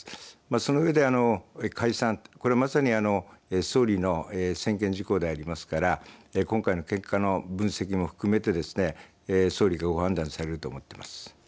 そのうえで解散、まさに総理の専権事項でありますから今回の結果の分析も含めて総理がご判断されると思っています。